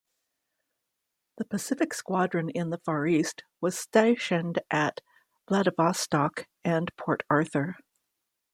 The Pacific squadron in the Far East was stationed at Vladivostok and Port Arthur.